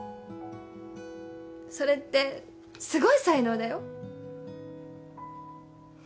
それってすごい才能だよ。